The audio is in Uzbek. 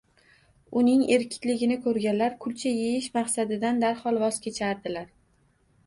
Uning irkitligini ko'rganlar kulcha yeyish maqsadidan darhol voz kechardilar.